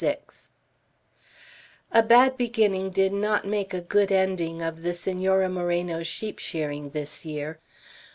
VI A BAD beginning did not make a good ending of the Senora Moreno's sheep shearing this year.